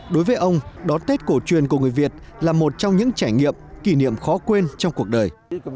đối với ông đón tết cổ truyền của người việt là một trong những trải nghiệm kỷ niệm khó quên trong cuộc đời